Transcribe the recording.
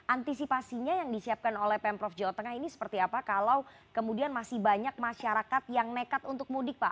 antisipasinya yang disiapkan oleh pemprov jawa tengah ini seperti apa kalau kemudian masih banyak masyarakat yang nekat untuk mudik pak